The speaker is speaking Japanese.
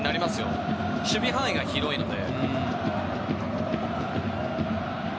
守備範囲が広いので。